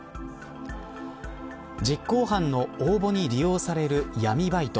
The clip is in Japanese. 実行犯の応募に利用される闇バイト。